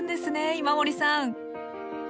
今森さん！